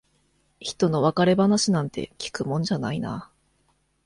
ひとの別れ話なんて聞くもんじゃないな。